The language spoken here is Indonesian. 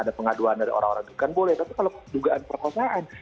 ada pengaduan dari orang orang itu kan boleh tapi kalau dugaan perkosaan